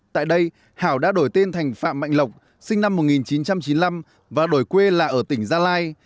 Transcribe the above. tại đây hảo đã đổi tên thành phạm mạnh lộc sinh năm một nghìn chín trăm chín mươi năm và đổi quê là ở tỉnh gia lai